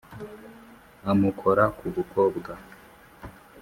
amukora ku bukobwa